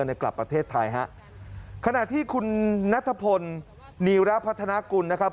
เนี่ยกลับประเทศไทยฮะขณะที่คุณนัทพลนีระพัฒนากุลนะครับ